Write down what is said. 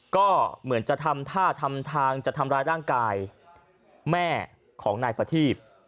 ก็เหมือนจะทำท่าทำทางจะทำร้ายร่างกายแม่ของนายประทีบ